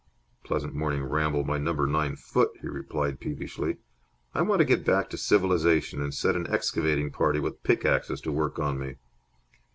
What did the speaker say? "Pleasant morning ramble my number nine foot!" he replied, peevishly. "I want to get back to civilization and set an excavating party with pickaxes to work on me."